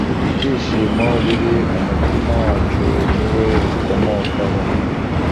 ibyishimo biri mu mutima wacu ni we bikomokaho